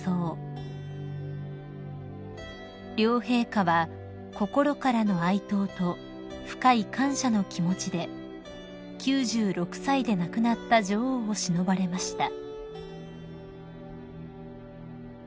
［両陛下は心からの哀悼と深い感謝の気持ちで９６歳で亡くなった女王をしのばれました］